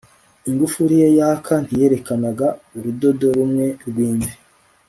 Ingufuri ye yaka ntiyerekanaga urudodo rumwe rwimvi